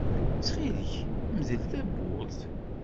Ttxil-k, mdel tawwurt.